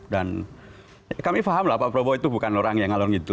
dan kami paham lah pak prabowo itu bukan orang yang ngalor gitu